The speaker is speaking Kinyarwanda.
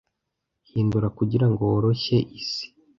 Hindura kugirango woroshye isi,